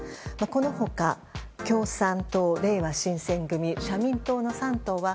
この他、共産党、れいわ新選組社民党の３党は